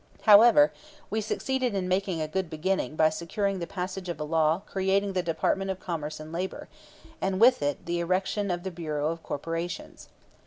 However, we succeeded in making a good beginning by securing the passage of a law creating the Department of Commerce and Labor, and with it the erection of the Bureau of Corporations.